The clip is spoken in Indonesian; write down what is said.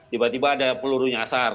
tiba tiba ada peluru nyasar